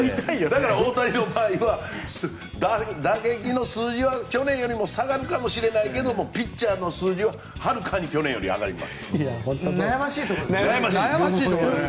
だから大谷の場合は打撃の数字は去年よりも下がるかもしれないけれどもピッチャーの数字ははるかに去年より悩ましいところですね。